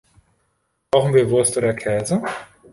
Brauchen wir Wurst oder Käse?